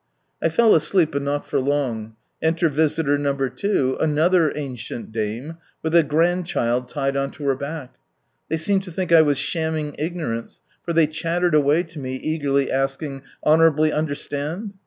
I fell asleep, but not for long; enter visitor No. 2, another ancient dame, with a grandchild tied on to her back. They seemed to think I was shamming ignorance, for they chattered away to me, eagerly asking " Honour.ibly under stand